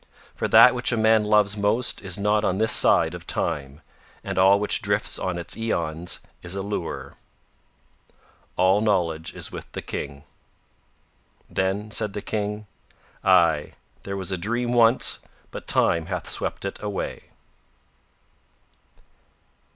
For that which a man loves most is not on this side of Time, and all which drifts on its aeons is a lure. "All knowledge is with the King." Then said the King: "Ay, there was a dream once but Time hath swept it away."